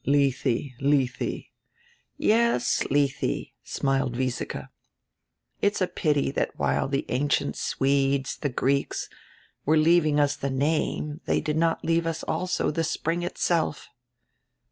"Lethe, Lethe." "Yes, Lethe," smiled Wiesike. "It's a pity diat while the ancient Swedes, die Greeks, were leaving us die name they did not leave us also die spring itself."